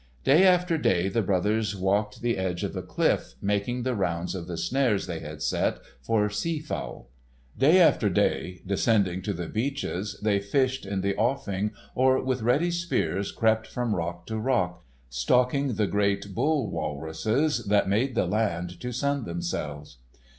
Day after day the brothers walked the edge of the cliff, making the rounds of the snares they had set for sea fowl. Day after day, descending to the beaches, they fished in the offing or with ready spears crept from rock to rock, stalking the great bull walruses that made the land to sun themselves.